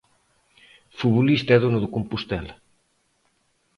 Futbolista e dono do Compostela.